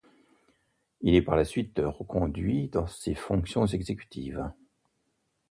Il est par la suite reconduit dans ses fonctions exécutives.